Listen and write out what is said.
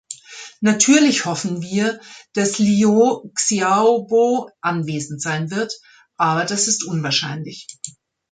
Natürlich hoffen wir, dass Liu Xiaobo anwesend sein wird, aber das ist unwahrscheinlich.